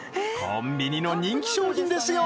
コンビニの人気商品ですよ